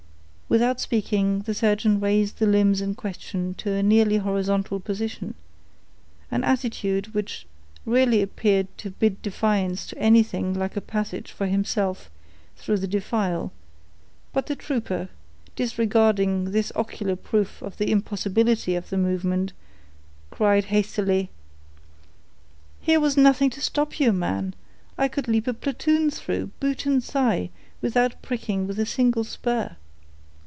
While speaking, the surgeon raised the limbs in question to a nearly horizontal position, an attitude which really appeared to bid defiance to anything like a passage for himself through the defile; but the trooper, disregarding this ocular proof of the impossibility of the movement, cried hastily,— "Here was nothing to stop you, man; I could leap a platoon through, boot and thigh, without pricking with a single spur.